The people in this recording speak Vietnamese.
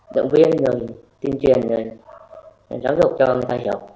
động viên tiên truyền giáo dục cho người ta hiểu